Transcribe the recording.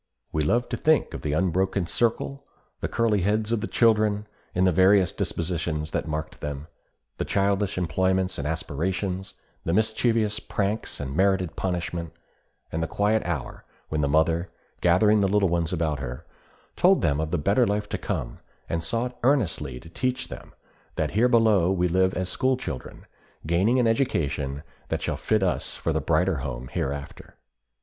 We love to think of the unbroken circle; the curly heads of the children, and the various dispositions that marked them; the childish employments and aspirations; the mischievous pranks and merited punishment; and the quiet hour when the mother, gathering the little ones about her, told them of the better life to come, and sought earnestly to teach them that here below we live as school children, gaining an education that shall fit us for the brighter home hereafter.